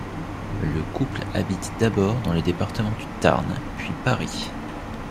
Le couple habite d'abord dans le département du Tarn puis Paris.